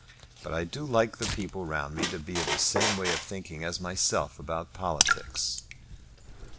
But I do like the people round me to be of the same way of thinking as myself about politics."